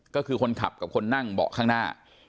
ก็คือคนขับกับคนนั่งเบาะข้างหน้า